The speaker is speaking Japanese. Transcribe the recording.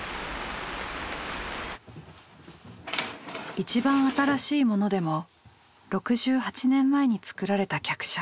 一番新しいものでも６８年前に作られた客車。